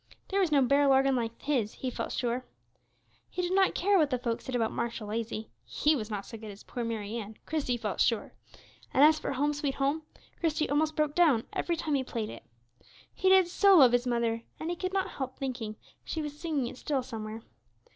There was no barrel organ like his, he felt sure. He did not care what the folks said about Marshal Lazy; he was not so good as poor Mary Ann, Christie felt sure; and as for "Home, sweet Home," Christie almost broke down every time he played it. He did so love his mother, and he could not help thinking she was singing it still somewhere.